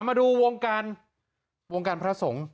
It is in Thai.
มาดูวงการวงการพระสงฆ์